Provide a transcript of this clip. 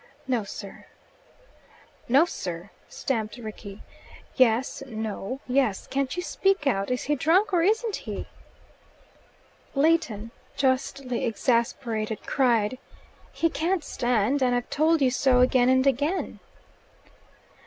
"No, sir." "'No, sir,'" stamped Rickie. "'Yes! no! yes!' Can't you speak out? Is he drunk or isn't he?" Leighton, justly exasperated, cried, "He can't stand, and I've told you so again and again."